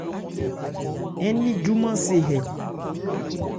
Ń ni júmán se hɛ.